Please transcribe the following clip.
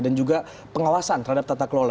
dan juga pengawasan terhadap tata kelola